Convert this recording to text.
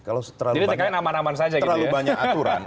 kalau terlalu banyak aturan